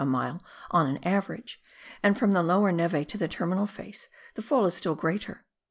a mile on an average, and from the lower neve to the terminal face the fall is still greater.